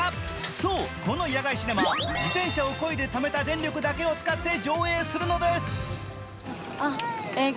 そう、この野外シネマは自転車をこいでためた電力だけを使って上映するのです。